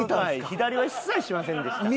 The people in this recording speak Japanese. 左は一切しませんでした。